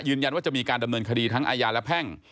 ยืนยันว่าจะมีการดำเนินคดีทั้งอาญาและแพ่ง